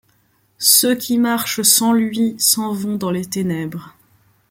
Ceux qui marchent sans lui s’en vont dans les ténèbres.